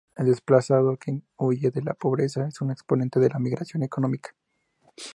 El desplazado que huye de la pobreza es un exponente de la migración económica.